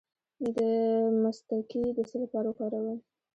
د مصطکي د څه لپاره وکاروم؟